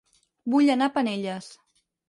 Vull anar a Penelles